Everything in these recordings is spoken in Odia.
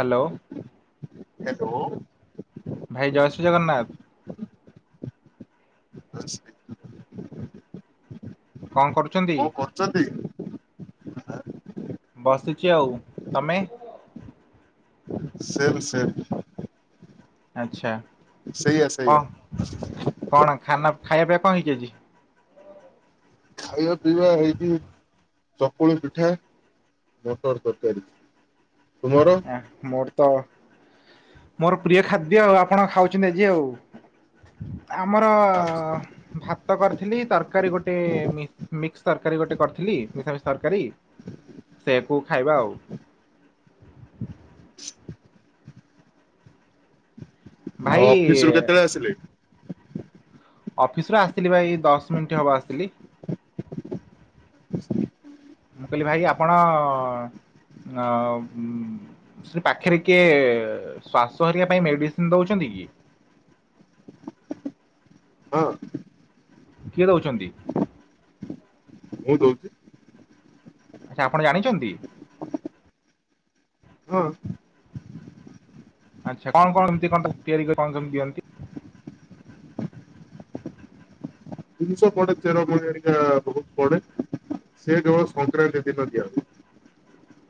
ହ୍ୟାଲୋ। ହ୍ୟାଲୋ। ଭାଇ ଜୟ ଶ୍ରୀ ଜଗନ୍ନାଥ। [unintelligible] କଣ କରୁଛନ୍ତି? ଛନ୍ତି। ବସିଛି। ଆଉ ତମେ? Same same. ଆଚ୍ଛା। ସେଇଆ ସେଇଆ। କଣ କଣ ଖାନା ଖାଇବା ପିଇବା କଣ ହେଇଚି ଆଜି? ଖାଇବା ପିଇବା ହେଇଚି ଚକୁଳି ପିଠା, ମଟର ତରକାରୀ। ତୁମର? ଆଁ ମୋର ତ ମୋର ପ୍ରିୟ ଖାଦ୍ୟ ଆଉ ଆପଣ ଖାଉଚନ୍ତି ଆଜି ଆଉ। ଆମର ଭା ତ କରିଥିଲି ତରକାରୀ ଗୋଟେ ମି ମିକ୍ସ ତରକାରୀ ଗୋଟେ କରିଥିଲି ମିଶାମିଶି ତରକାରୀ ସେଇଆକୁ ଖାଇବା ଆଉ। ଭାଇ ଅଫିସି ରୁ କେତେବେଳେ ଆସିଲେ? ଅଫିସରୁୁ ଆସିଥିଲି ଭାଇ ଦଶ ମିଣ୍ଟି ହବ ଆସିଲି। ମୁଁ କହିଲି ଭାଇ ଆପଣ ନ ଉଁ ସେଠି ପାଖେରେ କିଏ ଏ ଏ ଶ୍ଵାସ ହରିକା ପାଇଁ ମେଡିସିନ ଦଉଚନ୍ତି କି? ହଁ କିଏ ଦଉଚନ୍ତି? ମୁଁ ଦଉଚି। ଆଚ୍ଛା ଆପଣ ଜାଣିଚନ୍ତି? ହଁ। ଆଚ୍ଛା କଣ କଣ ଏମତି କଣ ତିଆରି କଣ କେମତି ଦଅନ୍ତି? ଜିନିଷ ପଡ଼େ ଚେର ମୂଳି ଘରିକା ବହୁତ ପଡ଼େ ସେ କେବଳ ସଂକ୍ରାନ୍ତି ଦିନ ଦିଆହୁଏ।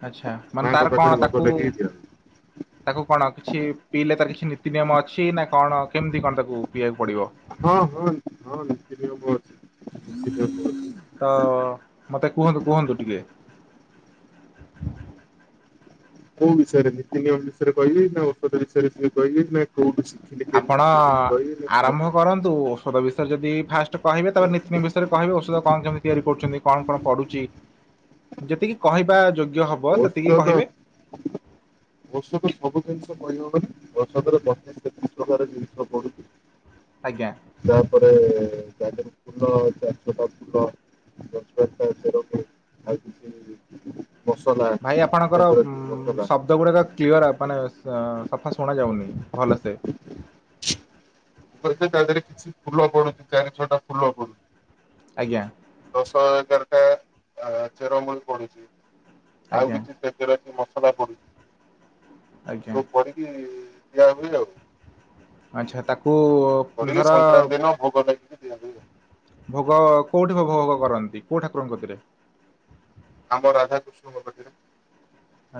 ଆଚ୍ଛା ମାନେ ତାର ମାଙ୍କ କଣ ପାଖରେ ତାକୁ ଭୋଗ ଲଗେଇ ଦିଅନ୍ ତାକୁ କଣ କିଛି ପିଇଲେ ତାର କିଛି ନୀତି ନିୟମ ଅଛି ନା କଣ କେମିତି କଣ ତାକୁ ପିଇବାକୁ ପଡିବ? ହଁ ହଁ ହଁ ନୀତିନିୟମ ଅ ତ ମତେ କୁହନ୍ତୁ କୁହନ୍ତୁ ଟିକେ। କୋଉ ବିଷୟରେ ନୀତି ନିୟମ ବିଷୟରେ କହିବି ନା ଔଷଧ ବିଷୟରେ ଟିକେ କହିବି ନା କୋଉଠୁ ଶିଖିଲି କେମିତି ଶିଖିଲି କହିବି ନା କଣ କହିବି? ପରନ୍ତୁ ଔଷଧ ବିଷୟରେ ଯଦି ଫାଷ୍ଟ କହିବେ ତାପରେ ନିତିନିୟମ ବିଷୟରେ କହିବେ ଔଷଧ କଣ କେମିତି ତିଆରି କରୁଚନ୍ତି କଣ କଣ ପଡ଼ୁଚି? ହ [inaudible] ଯେତିକି କହିବା ଯୋଗ୍ୟ ହବ ସେତିକି କହିବେ। ଔଷଦ ସବୁ ଜିନିଷ କହିହବନି ଔଷଦରେ ବତିଶ ତେତିଶ ପ୍ରକାର ର ଜିନିଷ ପଡୁଚି। ଆଜ୍ଞା। ତାପରେ ଚାରି ଚାରି ଫୁଲ ଚାର ଛଅଟା ଫୁଲ [unintelligible] କିଛି ମସଲା ଭାଇ ଆପଣଙ୍କର ଉଁ ତେଜରାତି ମସଲା ଶବ୍ଦ ଗୁଡ଼ାକ କ୍ଲିୟର ଆପ ମାନେ ଅଁ ଅଁ ସଫା ଶୁଣା ଯାଉନି ଭଲସେ। ମୁଁ କହିଲି ତା ଦେହରେ କିଛି ଫୁଲ ପଡ଼ୁଚି ଚାରି ଛଅଟା ଫୁଲ। ପଡୁଛି ଆଜ୍ଞା। ଦଶ ଏଗାର ଟା ଆ ଚେର ମୂଳି ପଡୁଚି। ଆଜ୍ଞା। ତେଜରାତି ଆଜ୍ଞା। ତୋ କରିକି ଇ ଇ ଇ ଦିଆ ହୁଏ ଆଉ। ଆଚ୍ଛା ତାକୁ ଉ ଉ ଅ କହିଲି ସଂକ୍ରାନ୍ତି ଦିନ ଭୋଗ ଲାଗିକି ଦିଆଯାଏ। ଭୋଗ କୋଉଠି ଭୋଗ ଭୋଗ କରନ୍ତି କୋଉ ଠାକୁରଙ୍କ କତିରେ? ଆମ ରାଧାକୃଷ୍ଣଙ୍କ କତିରେ।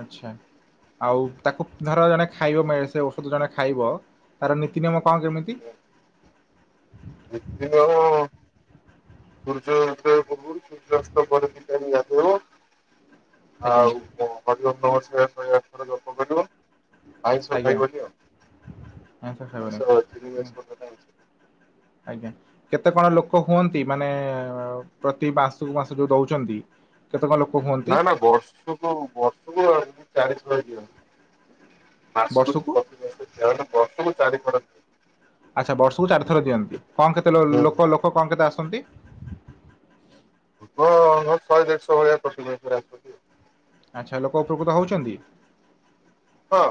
ଆଚ୍ଛା। ଆଉ ତାକୁ ଧର ଜଣେ ଖାଇବ ମେ ସେ ଔଷଧ ଜଣେ ଖାଇବ ତାର ନୀତି ନିିୟମ କଣ କେମିତି? ନୀତି ନିୟମ ପୂର୍ବରୁ ସୂର୍ଯ୍ୟାସ୍ତ ପରେ ଦି ଟାଇମ୍ ଗାଧେଇବ। ଆଜ୍ଞା। ଆଉ ହରି ଓମ୍ ନମଃ ଶିବାୟ ଶହେ ଆଠ ଥର ଜପ କରିବ ଆଇଁଷ ଆଜ୍ଞା ଖାଇବନି ଆଉ। ଆଇଁଷ ଖାଇବନି ଆଉ [unintelligible] ଆଜ୍ଞା। କେତେ କଣ ଲୋକ ହୁଅନ୍ତି ମାନେ ପ୍ରତି ମାସୁକୁ ମାସ ଯୋଉ ଦଉଚନ୍ତି? କେତେ କଣ ଲୋକ ହୁଅ ନା ନା ବର୍ଷକୁ ବର୍ଷକୁ ଆଉ ଚାରିଶହ ଦିଅନ୍ତି। ମାସକୁ ବର୍ଷକୁ ପ୍ରତିିବର୍ଷ ଦେଢସ ବର୍ଷକୁ ଚାରି ଥର [unintelligible] ଆଚ୍ଛା ବର୍ଷକୁ ଚାରିଥର ଦିଅନ୍ତି କଣ କେତେ ହୁଁ ହୁଁ। ଲୋ-ଲୋକ ଲୋକ କଣ କେତେ ଆସନ୍ତି? ହଁ ଅ ଶହେ ଦେଢଶହ ଭଳିଆ ପ୍ରତି ମାସରେ ଆସୁଚନ୍ତି। ଆଚ୍ଛା ଲୋକ ଉପକୃତ ହଉଚନ୍ତି? ହଁ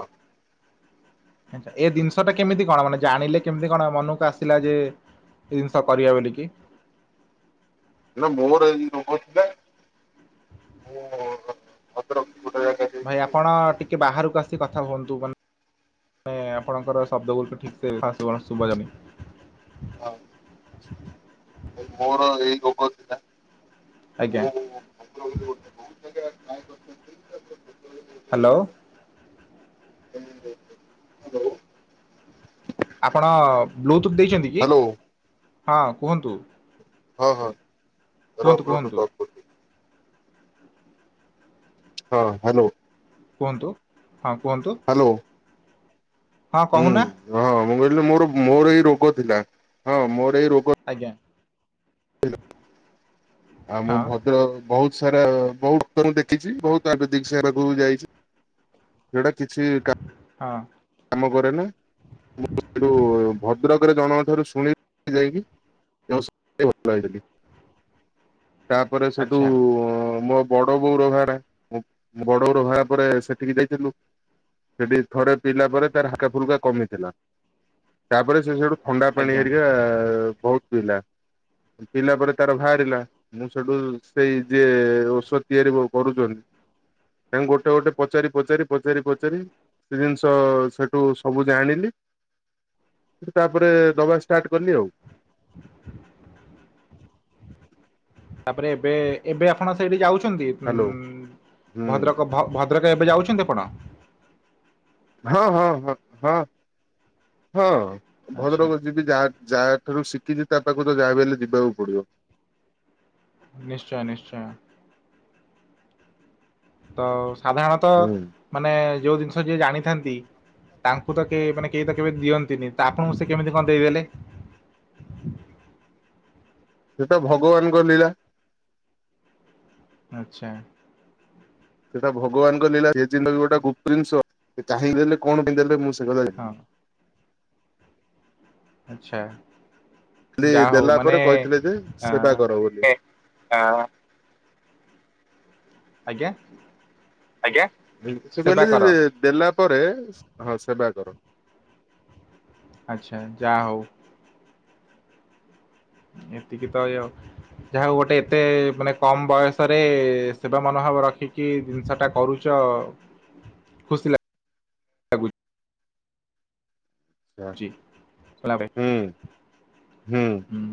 ଆଚ୍ଛା ଏ ଜିନିଷ ଟା କେମିତି କଣ ମାନେ ଜାଣିଲେ କେମିତି କଣ ମନକୁ ଆସିଲା ଯେ ଏଇ ଜିନିଷ କରିଆ ବୋଲିକି। ନା ମୋର ଏଇ ରୋଗ ଥିଲା। ମୁଁ ଭଦ୍ରକ ଗୋଟେ ଜାଗା ଯାଇକି ଭାଇ ଆପଣ ସେଠି ଟିକେ ବାହାରୁକୁ ଆସି କଥା ହୁଅନ୍ତୁ ମା ନେ ଆପଣଙ୍କର ଶବ୍ଦ ଗୁଡିକ ଠିକସେ ଫାଷ୍ଟ କୁ କଣ ଶୁଭା ଯାଉନି। ହଁ ମୋର ଏଇ ରୋଗ ଥିଲା। ଆଜ୍ଞା। [unintelligible] ଜାଗା ଟ୍ରାଏ କରିଛନ୍ତି ତାପରେ ଭଦ୍ରକରେ ହାଲୋ। ହଁ କୁହ। ଆପଣ ବ୍ଲୁଟୁଥ୍ ଦେଇଚନ୍ତି କି ହ୍ୟାଲୋ ହଁ କୁହନ୍ତୁ। ହଁ ହଁ। ର କୁହନ୍ତୁ ବ୍ଲୁଟୁଥ କୁହନ୍ତୁ। ଅଫ୍ କରୁଛି ହଁ ହାଲୋ। କୁହନ୍ତୁ ହଁ କୁହନ୍ତୁ। ହାଲୋ। ହଁ କହୁନା। ହଁ ମୁଁ କହିଲି ମୋର ମୋର ଏଇ ରୋଗ ଥିଲା। ହଁ ମୋର ଏଇ ରୋଗ ଆଜ୍ଞା। ଆଉ ମୁଁ ହଁ ଭଦ୍ରକ ବହୁତ ସାରା ବହୁତ ଡକ୍ତର ଙ୍କୁ ଦେଖେଇଚି ବହୁତ ଆୟୁର୍ବେଦିକ ସେରାକୁ ବି ଯାଇଚି। ଯୋଉଟା କିଛି କା ହଁ। କାମ କରେନା। ଭଦ୍ରକରେ ଜଣଙ୍କ ଠାରୁ ଶୁଣିଥିଲି ଯାଇକି [inaudible] ଭଲ ହେଇଗଲି। ତାପରେ ସେଟୁ ଆଚ୍ଛା ଅଁ ମୋ ବଡ଼ ବୋଉର ବାହାରିଲା ମୋ ବଡ଼ବୋଉର ବାହାର ପରେ ସେଠିକି ଯାଇଥେଲୁ। ସେଟି ଥରେ ପିଇଲା ପରେ ତାର ହାକା ଫୁଲକା କମିଥିଲା। ତାପରେ ସେ ସେଠୁ ଥଣ୍ଡା ପାଣି ଆଜ୍ଞା। ହେରିକା ବହୁତ ପିଇଲା ପିଇଲା ପରେ ତାର ବାହାରିଲା ମୁଁ ସେଠୁ ସେଇ ଯିଏ ଓଷଦ ତିଆରି କରୁଚନ୍ ତାଙ୍କୁ ଗୋଟେ ଗୋଟେ ପଚାରି ପଚାରି ପଚାରି ପଚାରି ସେ ଜିନିଷ ସେଠୁ ସବୁ ଜାଣିଲି ତାପରେ ଦବା ଷ୍ଟାଟ୍ କଲି ଆଉ। ତାପରେ ଏବେ ଏବେ ଆପଣ ସେଇଠି ଯାଉଚନ୍ତି ହ୍ୟାଲୋ ହୁଁ ଭଦ୍ରକ? ଭ ଭଦ୍ରକ ଏବେ ଯାଉଚନ୍ତି ଆପଣ? ହଁ ହଁ ହଁ ହଁ ହଁ ଆଚ୍ଛା ଭଦ୍ରକ ଯି ଯା ଯା ଠାରୁ ଶିଖିଚି ତା ପାଖକୁ ତ ଯା ବି ହେଲେ ଯିବାକୁ ପଡ଼ିବ। ନିଶ୍ଚୟ ନିଶ୍ଚୟ। ହଉ ସାଧାରଣତଃ ହୁଁ। ମାନେ ଯୋଉ ଜିନିଷ ଯିଏ ଜାଣିଥାନ୍ତି ତାଙ୍କୁ ତ କେ ମାନେ କେହି ତ କେବେ ଦିଅନ୍ତିନି ତ ଆପଣଙ୍କୁ ସେ କେମିତି କଣ ଦେଇଦେଲେ? ସେଟା ଭଗବାନଙ୍କ ଲୀଳା। ଆଚ୍ଛା। ସେଟା ଭଗବାନଙ୍କ ନିଳା ସେ ଜିନିଷ ଟା ବି ଗୋଟେ ଗୁପ୍ତ୍ ଜିନିଷ୍ ସେ ଚାହିଁ ଦେଲେ କଣ ପାଇଁ ଦେଲେ ମୁଁ ସେ କଥା ହଁ ଆଚ୍ଛା। ଦେ ଯାହା ହଉ ଦେଲା ମାନେ ପରେ କହିଥିଲେ ଯେ ଆ ସେବା କର ବୋଲି। ଆଜ୍ଞା। ଆଜ୍ଞା ସେ ସେବା କହିଲେ କର ଯେ ଦେଲା ପରେ ସ ହଁ ସେବା କର। ଆଚ୍ଛା ଯା ହଉ। ଏତିକି ତ ୟ ଯାହା ହଉ ଗୋଟେ ଏତେ ମାନେ କମ୍ ବୟସରେ ସେବା ମନୋଭାବ ରଖିକି ଜିନିଷ ଟା କରୁ ଚ ଖୁସି ଲାଗ ରାବେ ହୁଁ ହୁଁ ହୁଁ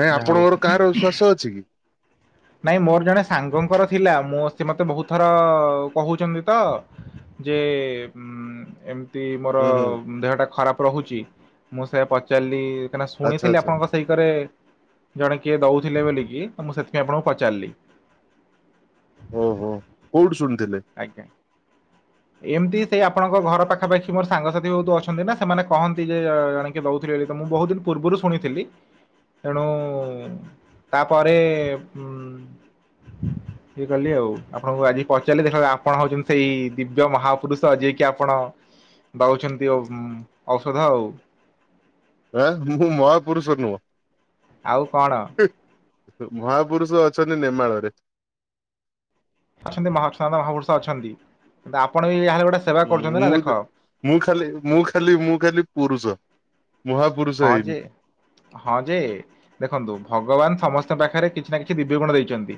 ନାଇଁ ଯାହା ହଉ ଆପଣଙ୍କର କାଆର ଉ ଶ୍ଵାସ ଅଛି କି? ନାଇଁ ମୋର ଜଣେ ସାଙ୍ଗଙ୍କର ଥିଲା ମୋ ସେ ମତେ ବହୁତ ଥର କହୁଚନ୍ତି ତ ଯେ ଉଁ ଏମ୍ ତି ମୋର ହୁଁ ହୁଁ ଦେହଟା ଖରାପ ରହୁଚି ମୁଁ ସେ ପଚାରିଲି କାଇଁନା ଆଚ୍ଛା ଶୁଣିଥିଲି ଆଚ୍ଛା ଆପଣଙ୍କ ରୋଷେଇ କରେ ଜଣେ କିଏ ଦଉଥିଲେ ବୋଲିକି ତ ମୁଁ ସେଥିପାଇଁ ଆପଣଙ୍କୁ ପଚାରିଲି ଓହୋ କୋଉଟୁ ଶୁଣିଥିଲେ? ଆଜ୍ଞା। ଏମିତି ସେଇ ଆପଣଙ୍କ ଘର ପାଖାପାଖି ମୋର ସାଙ୍ଗସାଥି ବହୁତ ଅଛନ୍ତି ନା ସେମାନେ କହନ୍ତି ଯେ ଜଣେ କିଏ ଦଉଥିଲେ ବୋଲି ତମକୁ ମୁଁ ବହୁତ୍ ଦିନି ପୂର୍ବୁରୁ ଶୁଣିଥିଲି ତେଣୁ ତାପରେ ଉଁ ଇଏ କଲି ଆଉ ଆପଣଙ୍କୁ ଆଜି ପ ଆକ୍ଚ୍ୟୁଲି ଦେଖନ୍ତୁ ଆପଣଙ୍କ ହଉଚନ୍ତି ସେଇ ଦିବ୍ୟ ମହାପୁରୁଷ ଯିଏକି ଆପଣ ଦଉଚନ୍ତି ଓମ୍ ଔଷଧ ଆଉ। ଏ ମୁଁ ମହାପୁରୁଷ ନୁଆଁ। ଆଉ କଣ? ହୁଁ ମହାପୁରୁଷ ଅଛନ୍ତି ନେମାଳରେ। ଅଛନ୍ତି ମହାପ୍ରସାଦ ମହାପୁରୁଷ ଅଛନ୍ତି ଆପଣ ବି ଯାହେଲେ ଗୋଟେ ସେବା କରୁଚନ୍ତି ନା ମୁଁ ଦେଖ ମୁଁ ଖାଲି ମୁଁ ଖାଲି ମୁଁ ଖାଲି ପୁରୁଷ ମହା ହଁ ଯେ। ହଁ ଯେ, ଦେଖନ୍ତୁ ଭଗବାନ ସମସ୍ତଙ୍କ ପାଖରେ କିଛି ନା କିଛି ଦିବ୍ୟ ଗୁଣ ଦେଇଛନ୍ତି।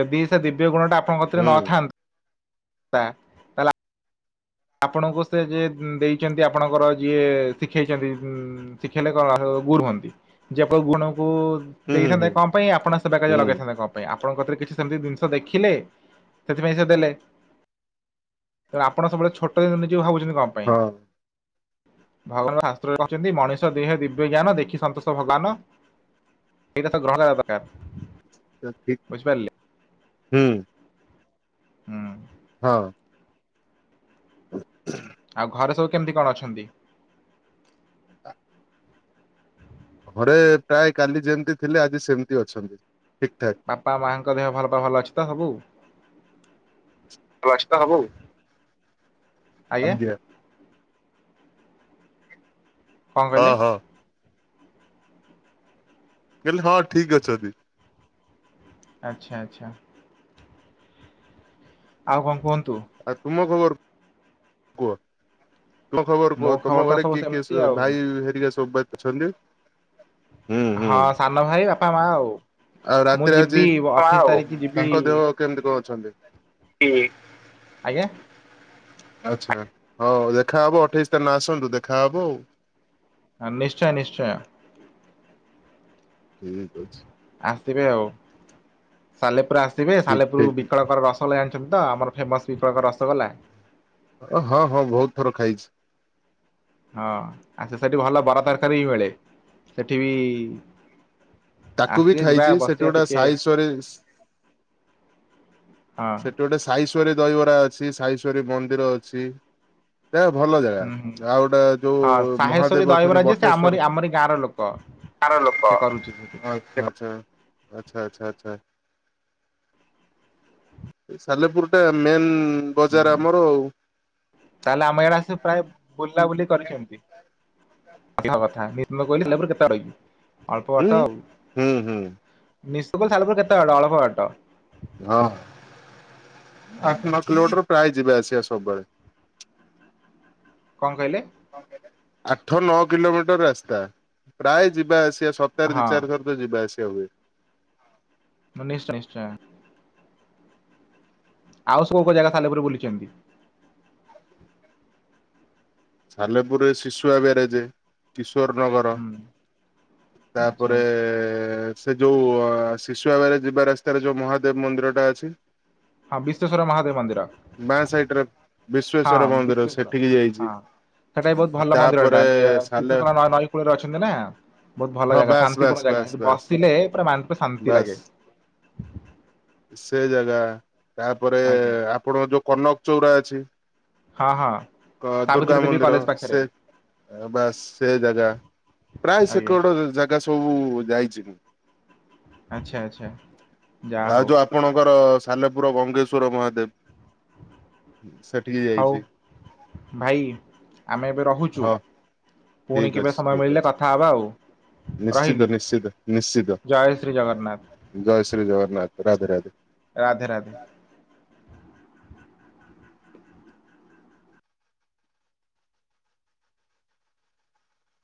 ଯଦି ସେ ଦିବ୍ୟ ଗୁଣ ଟା ଆପଣଙ୍କ କତିରେ ହୁଁ ନଥାନ୍ତା ତାହେଲେ ଆପଣଙ୍କୁ ସେ ଯିଏ ଦେଇଛନ୍ତି ଆପଣଙ୍କର ଯିଏ ଶିଖେଇଛନ୍ତି ଶିଖାଇଲେ କଣ ଗୁର୍ ହୁଅନ୍ତି ଯେ ଆପଣ ଗୁଣ କୁ ହୁଁ ଦେଇଥାନ୍ତେ ହୁଁ ହୁଁ କଣ ପାଇଁ ଆପଣ ସେବା କାର୍ଯ୍ୟରେ ହୁଁ ଲଗେଇଥାନ୍ତେ କଣ ପାଇଁ? ଆପଣଙ୍କ କତିରେ କିଛି ସେମିତି ଜିନିଷ ଦେଖିଲେ ସେଥିପାଇଁ ସେ ଦେଲେ ଯେତଳେ ଆପଣ ସବୁବେଳେ ଛୋଟ ଦିନ ନିଜକୁ ଭାବୁଛନ୍ତି କଣ ପାଇଁ? ହଁ ଭଗବାନ ଶାସ୍ତ୍ରରେ କହିଛନ୍ତି, ମଣିଷ ଦେହେ ଦିବ୍ୟ ଜ୍ଞାନ ଦେଖି ସନ୍ତୋଷ ଭଗବାନ। [unintelligible] ଦିବ୍ ବୁଝିପାରିଲେ ହୁଁ ହୁଁ ହଁ [inaudible] ଆଉ ଘରେ ସବୁ କେମିତି କଣ ଅଛନ୍ତି? ଘରେ ପ୍ରାୟ କାଲି ଯେମିତି ଥିଲେ ଆଜି ସେମିତି ଅଛନ୍ତି ଠିକ୍ ଠାକ୍। ବାପା ମାଆଙ୍କ ଦେହ ପା ଭଲ ଭଲ ଅଛି ତ ସବୁ। କ୍ଲଷ୍ଟ ହବୁ? ଆଜ୍ଞା। କଣ ଅ କହିଲେ? ହ କହିଲି ହଁ ଠିକ୍ ଅଛନ୍ତି। ଆଚ୍ଛା, ଆଚ୍ଛା। ଆଉ କଣ କୁହନ୍ତୁ? ଆଉ ତୁମ ଖବର କୁହ? ତମ ଖବର ମୋ କୁହ ଖବର ତମ ତ ଘରେ ସବୁ କିଏ ସେମିତି କିଏ ଆଉ। ଭାଇ ହେରିକା ସବୁ ପା ଅଛନ୍ତି। ହୁଁ ହଁ ହୁଁ ସାନ ଭାଇ ବାପା ମା ଆଉ, ଆଉ ମୁଁ ରାତିରେ ଆଜି ଯିବି ଅଠେଇଶ ତାରିଖ ଯିବି ତାଙ୍କ ଦେହ କେମିତି କଁ ଅଛନ୍ତି? ହୁଁ ଆଜ୍ଞା। ଆଚ୍ଛା ହଉ ଦେଖାହବ ଅଠେଇଶ ତାରିକ୍ ନ ଆସନ୍ତୁ ଦେଖା ହବ ଆଉ। ନିଶ୍ଚୟ ନିଶ୍ଚୟ। ଠିକ୍ ଅଛି। ଆସିବେ ଆଉ ସାଲେପୁର ଆସିବେ ଠିକ ସାଲେପୁର ଠିକ ବିକଳକର ରସ୍ ଭଲେ ଜାଣିଛନ୍ତି ତ ଆମର ଫେମସ୍ ବି ପ୍ରକାର ରସଗୋଲା। ଓ ହଁ ହଁ ବହୁତ ଥର ଖାଇଛି। ହଁ ଆସେ ସେଠି, ଭଲ ବରା ତରକାରୀ ବି ମିଳେ ସେଠି ବି ତାକୁ ବି ଆସିବେ ଯିବା ଖାଇଛି ସେଠି ବସିବା ଗୋଟେ ଟିକେ ସାଇଶ୍ଵରୀ ହଁ ସେଠି ଗୋଟେ ସାଇଶ୍ଵରୀ ଦହିବରା ଅଛି, ସାଇଶ୍ଵରୀ ମନ୍ଦିର ଅଛି। ତା ଭଲ ଜାଗା ହୁଁ ହୁଁ। ଆଉ ଗୋଟେ ହଁ ଯୋଉ ସାହେଶ୍ଵରୀ ମହାଦେବ ଦହିବରା ଅଛନ୍ତି ଯିଏ ସେ ଆମରି ବଟେଶ୍ଵର ଆମରି ଗାଁର ଲୋକ ସେ କରୁଚିତ ହେ ଆଛା ଆଛା ଆଚଛା ଆଚଛା ଆଛା ସାଲେପୁର ଟା ମେନ୍ ହୁଁ ବଜାର ଆମର ତାହେଲେ ଆମ ଏଇଡା ସେ ପ୍ରାୟ ବୁଲା ବୁଲି କରିଛନ୍ତି? [unintelligible] କହିଲି ସାଲେପୁରେ କେତେ ଟା ରହିବି। ଅଳ୍ପ ହୁଁ ବାଟ ଆଊ ହୁଁ ହୁଁ ନିଶ୍ଚିତ କୋଇଲୁର ସାଲେପୁର କେତେ ବାଟ? ଅଳ୍ପବାଟ। ହଁ ଏଇତ ଆଠ ନଅ କିଲୋମିଟର ପ୍ରାୟ ଯିବେ ଆସିବା ସବୁବେଳେ। କଣ କହିଲେ? ଆଠ ନଅ କିଲୋମିଟର ରାସ୍ତା ପ୍ରାୟ ଯିବା ଆସିବା ସତର ଦି ହଁ ଚାରି ଥର ବେ ଯିବା ଆସିବା ହୁଏ। ନ ନିଶ୍ଚୟ ନିଶ୍ଚୟ ଆଉ ସବୁ କଉ କଉ ଜାଗା ସାଲେପୁର ବୁଲିଛନ୍ତି। ସାଲେପୁରରେ ଶିଶୁଆ ବେରଜେ କିଶୋର ନଗର ହୁଁ ଆଚ୍ଛା ତାପରେ ଆଚ୍ଛା ସେ ଯୋଉ ଶିଶୁଆ ଆବରେ ଯିବା ରାସ୍ତାରେ ଯୋଉ ମହାଦେବ ମନ୍ଦିରଟା ଅଛି। ହଁ ବିଶ୍ୱେଶ୍ୱର ମହାଦେବ ମନ୍ଦିର। ବାଁ ସାଇଟରେ ହଁ ବିଶ୍ଵେଶ୍ଵର ମନ୍ଦିର ବିଶ୍ଵେଶ୍ଵର ସେଠିକି ଯାଇଛି। ହଁ ସେଟା ବି ବହୁତ ଭଲ ମନ୍ଦିରଟା ତାପରେ ସାଲେ [unintelligible] ନଈ କୂଳରେ ଅଛନ୍ତି ନା। ବହୁତ ଭଲ ହଁ ଜାଗା ବାସ୍ ବାସ୍ ଶାନ୍ତିପୂର୍ଣ୍ଣ ଜାଗା ବାସ୍ ବାସ୍ ବସିଲେ ପୁରା ମାନ ପା ଶାନ୍ତି ବାସ୍ ଲାଗେ। ସେ ଜାଗା ତାପରେ ଆଜ୍ଞା ଆପଣଙ୍କ ଯୋଉ କନକ ଚଉରା ଅଛି। ହଁ ହଁ। ଦୁର୍ଗା ସାବିତ୍ରୀ ଦେବୀ ମନ୍ଦିର କଲେଜ ପାଖରେ ସେ ବାସ୍ ସେ ଜାଗା ପ୍ରାୟ ଆଜ୍ଞା ସେକଡ ଜାଗା ସବୁ ଯାଇଛି କି। ଆଚ୍ଛା ଆଚ୍ଛା। ଯାହା ଆଉ ହଉ ଯୋଉ ଆପଣଙ୍କର ସାଲେପୁର ଗଙ୍ଗେଶ୍ଵର ମହାଦେବ। ସେଠିକି ହଉ ଯାଇଛି। ଭାଇ ଆମେ ଏବେ ରହୁଛୁ। ହଁ ପୁଣି ଠିକ୍ କେବେ ଅଛି ସମୟ ଠିକ୍ ମିଳିଲେ ଅଛି କଥା ହବା ଆଉ। ରହିଲ ନିଶ୍ଚିତ ନିଶ୍ଚିତ ନିଶ୍ଚିତ ଜୟ ଶ୍ରୀ ଜଗନ୍ନାଥ। ଜୟ ଶ୍ରୀ ଜଗନ୍ନାଥ ରାଧେ ରାଧେ। ରାଧେ ରାଧେ।